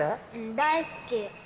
大好き？